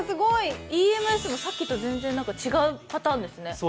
ＥＭＳもさっきと全然違うパターンですね。